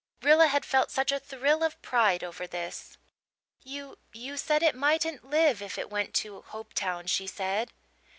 Rilla had felt such a thrill of pride over this. "You you said it mightn't live if it went to Hopetown," she said.